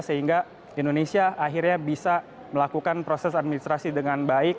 sehingga indonesia akhirnya bisa melakukan proses administrasi dengan baik